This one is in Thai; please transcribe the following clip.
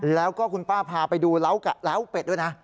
แล้วก็คุณป้าพาไปดูล้าวเป็ดด้วยนะ